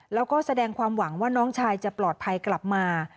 แล้วก็แสดงความหวังว่าน้องชายจะปลอดภัยกลับมา